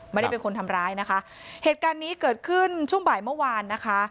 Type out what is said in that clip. ไม่ได้เป็นคนทำร้ายนะคะเหตุการณ์นี้เกิดขึ้นช่วงบ่ายเมื่อวานนะคะ